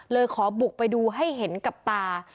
เลยขอบุกไปดูให้เห็นกับตา